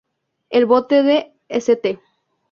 El bote de St.